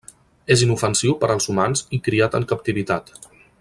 És inofensiu per als humans i criat en captivitat.